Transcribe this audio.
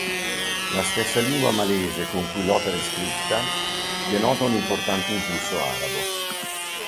La stessa lingua malese con cui l'opera è scritta denota un importante influsso arabo.